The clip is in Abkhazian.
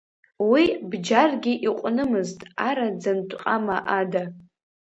Уи бџьаргьы иҟәнымызт, араӡынтә ҟама ада.